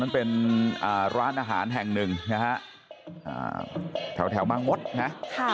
มันเป็นร้านอาหารแห่งหนึ่งนะฮะแถวบางมดนะค่ะ